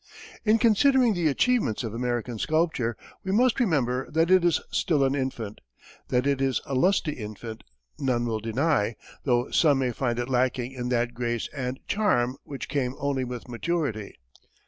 In considering the achievements of American sculpture, we must remember that it is still an infant. That it is a lusty infant none will deny, though some may find it lacking in that grace and charm which come only with maturity.